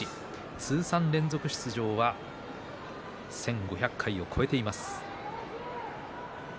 通算連続出場は１５００回を超えています。